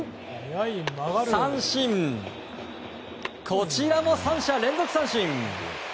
こちらも３者連続三振。